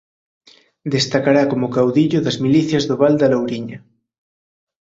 Destacará como caudillo das milicias do Val da Louriña.